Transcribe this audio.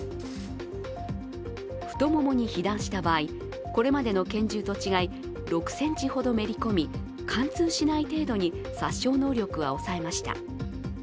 太ももに被弾した場合、これまでの拳銃と違い、６ｃｍほどめり込み、貫通しない程度に殺傷能力は抑えました。